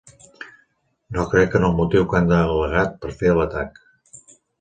No crec en el motiu que han al·legat per a fer l'atac.